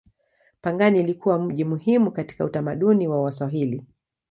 Pangani ilikuwa mji muhimu katika utamaduni wa Waswahili.